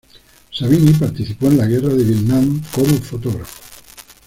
Savini participó en la guerra de Vietnam como fotógrafo.